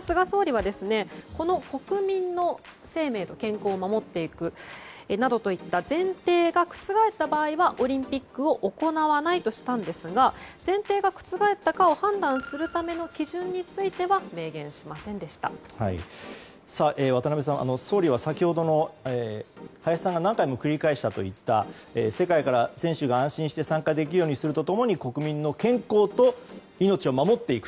菅総理はこの国民の生命と健康を守っていくなどといった前提が覆った場合はオリンピックを行わないとしたんですが前提が覆ったかを判断するための基準については渡辺さん、総理は先ほどの林さんが何回も繰り返したと言った世界から選手が安心して参加できるようにするとともに国民の命と健康を守っていく。